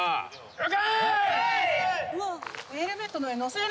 了解！